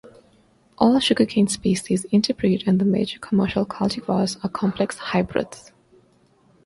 All sugarcane species interbreed and the major commercial cultivars are complex hybrids.